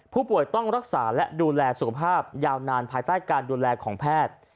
ผู้ป่วยต้องรักษาและดูแลสุขภาพยาวนานภายใต้การดูแลของแพทย์